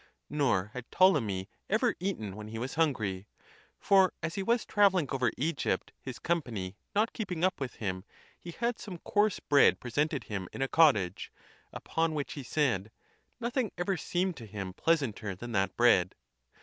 Nor had Ptol emy ever eaten when he was hungry; for as he was tray elling over Egypt, his company not keeping up with him, he had some coarse bread presented him in a cottage, upon which he said, " Nothing ever seemed to him pleas WHETHER VIRTUE ALONE BE SUFFICIENT. 199 anter than that bread."